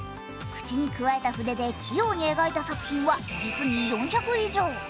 口にくわえた筆で器用に描いた作品は実に４００以上。